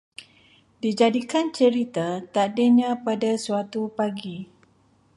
Dijadikan cerita, takdirnya pada suatu pagi